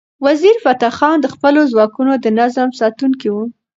وزیرفتح خان د خپلو ځواکونو د نظم ساتونکی و.